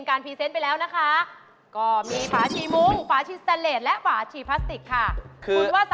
มากแต่ลูกนี้ออกใหม่เป็นประติกน่าจะถูกด้วย